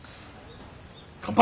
乾杯！